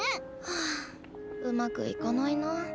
ハァうまくいかないな。